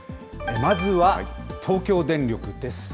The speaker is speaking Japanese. まずは東京電力です。